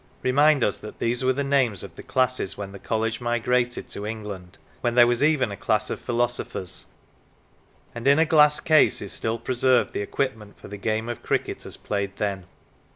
remind us that these were the names of the classes when the college migrated to England, when there was even a class of philosophers; and in a glass case is still preserved the equipment for the game of cricket as played then.